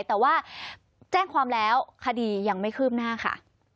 แต่ว่าแจ้งความแล้วคดียังไม่คืบหน้าค่ะ